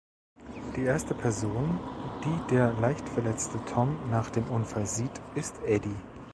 Die erste Person, die der leicht verletzte Tom nach dem Unfall sieht, ist Eddie.